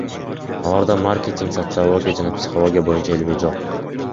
Аларда маркетинг, социология жана психология боюнча билими жок.